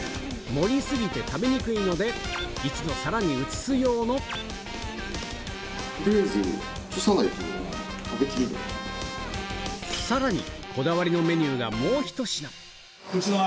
盛り過ぎて食べにくいので一度皿に移す用のさらにこだわりのメニューがもうひと品その